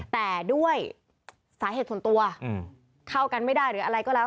แต่ด้วยสาเหตุส่วนตัวเข้ากันไม่ได้หรืออะไรก็แล้ว